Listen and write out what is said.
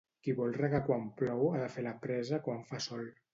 Qui vol regar quan plou ha de fer la presa quan fa sol.